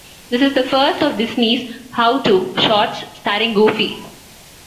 This is the first of Disney's "How to..." shorts starring Goofy.